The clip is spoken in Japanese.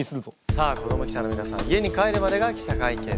さあ子ども記者の皆さん家に帰るまでが記者会見です。